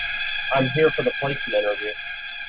I'm here for the placement interview.